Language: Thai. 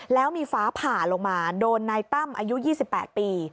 แล้วมีฟ้าผ่าลงมาโดนนายตั้มอายุ๒๘ปี